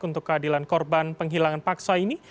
untuk keadilan korban penghilangan paksa ini